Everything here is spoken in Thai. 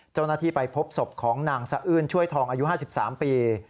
เจ้าหน้าที่ไปพบศพของนางสะอื้นช่วยทองอายุ๕๓ปี